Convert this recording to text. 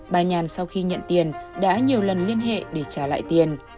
bà nhàn sau khi nhận tiền đã nhiều lần liên hệ để trả lại tiền